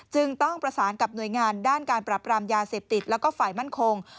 จึงต้องประสานกับหน่วยงานด้านการปรับรามยาเสพติดแล้วก็ฝ่ายมั่นคง